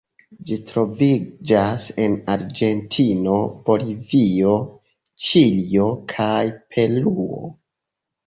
Ĝi troviĝas en Argentino, Bolivio, Ĉilio kaj Peruo.